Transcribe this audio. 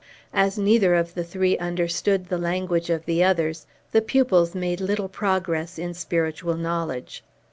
As neither of the three understood the language of the others, the pupils made little progress in spiritual knowledge.